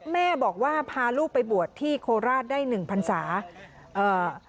แม่บอกว่าพาลูกไปบวชที่โคราชได้หนึ่งพันศาเอ่อ